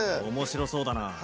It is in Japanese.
おもしろそうだな。